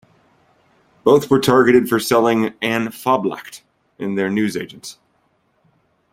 Both were targeted for selling "An Phoblacht" in their newsagents.